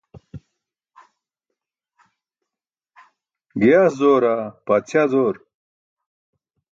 Giyaas zoora, paatśaa zoor?